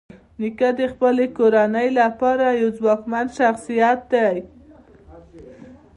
نیکه د خپلې کورنۍ لپاره یو ځواکمن شخصیت دی.